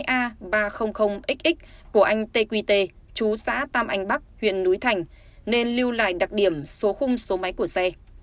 chín mươi hai a ba trăm linh xx của anh tê quy tê chú xã tam anh bắc huyện núi thành nên lưu lại đặc điểm số khung số máy của xe